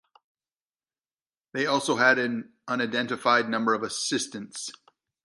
They also had an unidentified number of assistants.